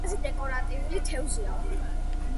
ლამაზი დეკორატიული თევზია.